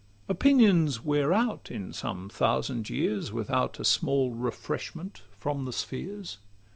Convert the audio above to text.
Opinions wear out in some thousand years, Without a small refreshment from the spheres.